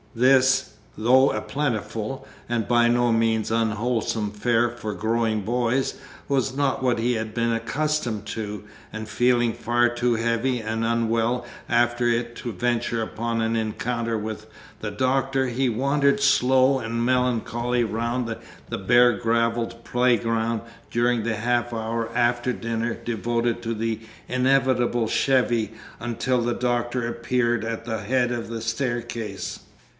This, though a plentiful, and by no means unwholesome fare for growing boys, was not what he had been accustomed to, and feeling far too heavy and unwell after it to venture upon an encounter with the Doctor, he wandered slow and melancholy round the bare gravelled playground during the half hour after dinner devoted to the inevitable "chevy," until the Doctor appeared at the head of the staircase.